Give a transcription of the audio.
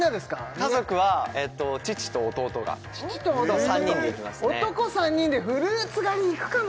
家族は父と弟が３人で行きますね男３人でフルーツ狩り行くかな？